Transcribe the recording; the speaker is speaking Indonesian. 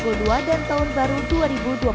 ketua pusat pembangunan dari kota ibu jawa baru